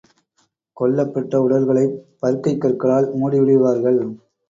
கொல்லப்பட்ட உடல்களைப் பருக்கைக் கற்களால் மூடிவிடுவார்கள்.